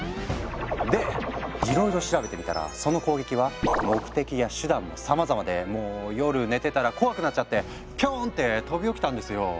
でいろいろ調べてみたらその攻撃は目的や手段もさまざまでもう夜寝てたら怖くなっちゃってピョン！って飛び起きたんですよ。